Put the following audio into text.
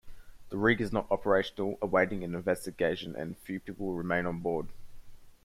The rig is not operational awaiting an investigation, and few people remain on board.